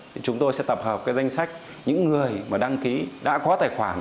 thì chúng tôi sẽ tập hợp cái danh sách những người mà đăng ký đã có tài khoản